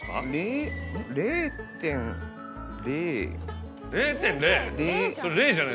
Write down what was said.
０．０？